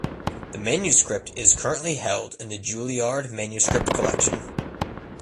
The manuscript is currently held in the Juilliard Manuscript Collection.